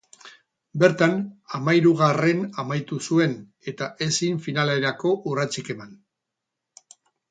Bertan, hamairugarren amaitu zuen, eta ezin finalerako urratsik eman.